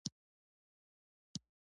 ازادي راډیو د هنر وضعیت انځور کړی.